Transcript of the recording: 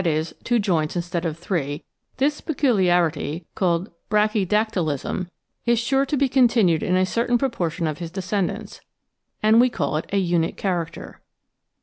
with two joints instead of three, this peculiarity (called "brachydactylism") is sure to be continued in a certain proportion of his descendants ; and we call it a "unit character."